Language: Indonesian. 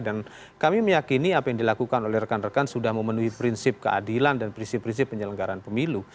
dan kami meyakini apa yang dilakukan oleh rekan rekan sudah memenuhi prinsip keadilan dan prinsip prinsip penyelenggaran pemilu